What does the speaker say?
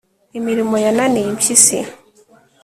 imirimo yananiye impyisi